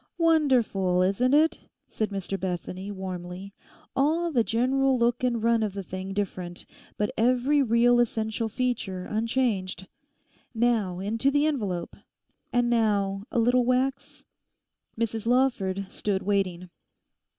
'Wonderful, isn't it?' said Mr Bethany warmly; 'all the general look and run of the thing different, but every real essential feature unchanged. Now into the envelope. And now a little wax?' Mrs Lawford stood waiting.